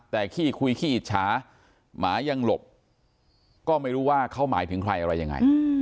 แต่ขี้คุยขี้อิจฉาหมายังหลบก็ไม่รู้ว่าเขาหมายถึงใครอะไรยังไง